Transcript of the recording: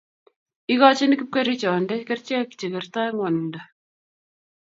ikochini kipkerichonde kerchek che kertoi ng'wonindo